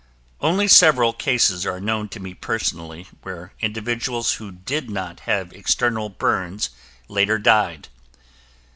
Only several cases are known to me personally where individuals who did not have external burns later died.